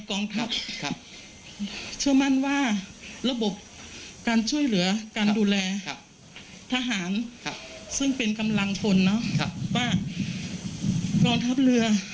กองทัพครับเชื่อมั่นว่าระบบการช่วยเหลือการดูแลครับทหารครับซึ่งเป็นกำลังคนเนอะครับว่ากองทัพเรือ